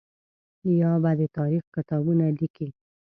یا به د تاریخ کتابونه لیکي.